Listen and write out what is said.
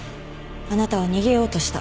あなたは逃げようとした。